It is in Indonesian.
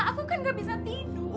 aku kan gak bisa tidur